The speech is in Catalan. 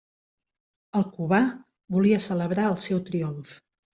El Cubà volia celebrar el seu triomf.